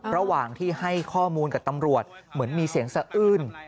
ระหว่างที่ให้ข้อมูลกับตำรวจเหมือนมีเสียงสะอื้น